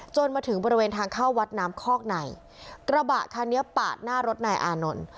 มาถึงบริเวณทางเข้าวัดน้ำคอกในกระบะคันนี้ปาดหน้ารถนายอานนท์